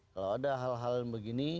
kalau ada hal hal yang begini